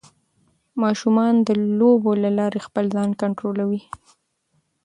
ماشومان د لوبو له لارې خپل ځان کنټرولوي.